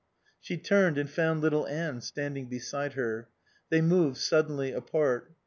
She turned and found little Anne standing beside her. They moved suddenly apart.